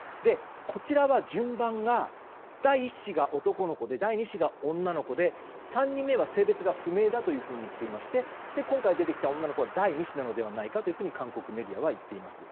こちらは順番は第１子が男の子で第２子が女の子で、３人目は性別が不明だと言っていまして今回出てきた女の子は第２子なのではないかと韓国メディアはいっています。